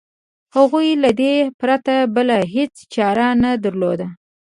هغوی له دې پرته بله هېڅ چاره نه درلوده.